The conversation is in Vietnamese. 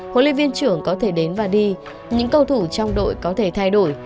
huấn luyện viên trưởng có thể đến và đi những cầu thủ trong đội có thể thay đổi